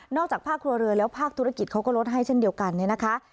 อกจากภาคครัวเรือนแล้วภาคธุรกิจเขาก็ลดให้เช่นเดียวกันเนี่ยนะคะ